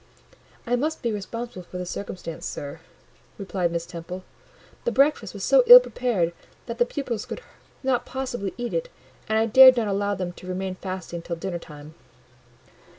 "I must be responsible for the circumstance, sir," replied Miss Temple: "the breakfast was so ill prepared that the pupils could not possibly eat it; and I dared not allow them to remain fasting till dinner time."